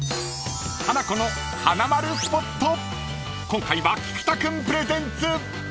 ［今回は菊田君プレゼンツ］